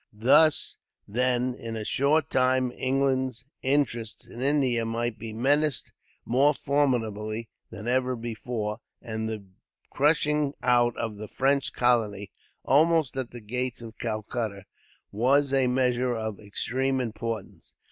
Thus, then, in a short time English interests in India might be menaced more formidably than ever before, and the crushing out of the French colony, almost at the gates of Calcutta, was a measure of extreme importance.